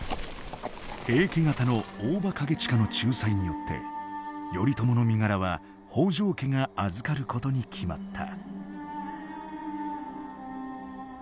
平家方の大庭景親の仲裁によってあの男は北条が預かることになった。